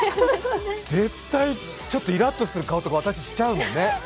絶対ちょっとイラッとする顔とか私、しちゃうもんね。